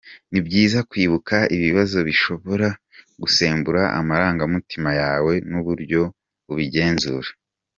Ni byiza kwibuka ibibazo bishobora gusembura amarangamutima yawe n’uburyo ubigenzura.